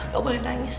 gak boleh nangis